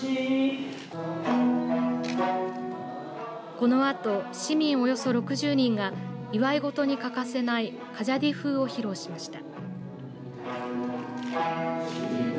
このあと、市民およそ６０人が祝い事に欠かせないかぎやで風を披露しました。